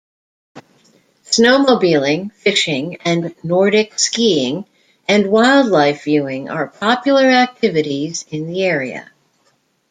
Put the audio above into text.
Snowmobiling, fishing, and Nordic skiing, and wildlife viewing are popular activities in the area.